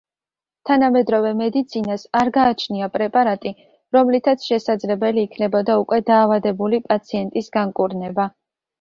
თანამედროვე მედიცინას არ გააჩნია პრეპარატი, რომლითაც შესაძლებელი იქნებოდა უკვე დაავადებული პაციენტის განკურნება.